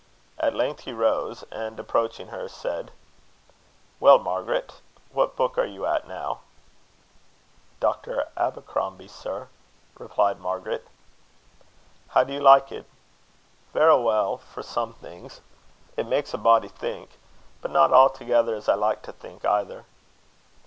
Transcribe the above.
At length he rose, and, approaching her, said "Well, Margaret, what book are you at now?" "Dr. Abercrombie, sir," replied Margaret. "How do you like it?" "Verra weel for some things. It makes a body think; but not a'thegither as I like to think either."